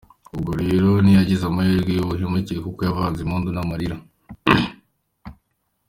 Ubwo rero ntiyagize amahirwe y’uruhehemure, kuko yavanze impundu n’amarira.